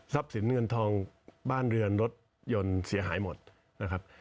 สินเงินทองบ้านเรือนรถยนต์เสียหายหมดนะครับ